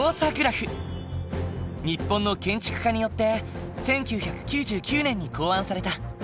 日本の建築家によって１９９９年に考案された。